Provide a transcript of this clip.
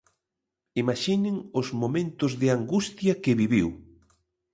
Imaxinen os momentos de angustia que viviu.